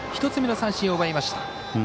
１つ目の三振を奪いました。